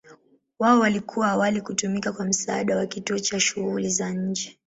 Wao walikuwa awali kutumika kwa msaada wa kituo cha shughuli za nje.